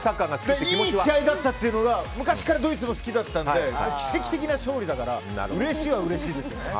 いい試合だったというのが昔からドイツも好きだったので奇跡的な勝利だからうれしいはうれしいですよね。